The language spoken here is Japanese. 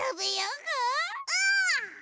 うん！